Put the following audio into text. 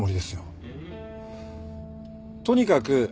とにかく。